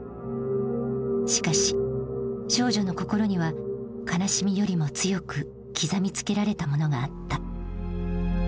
しかし少女の心には悲しみよりも強く刻みつけられたものがあった。